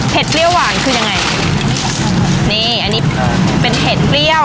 เปรี้ยวหวานคือยังไงนี่อันนี้เป็นเผ็ดเปรี้ยว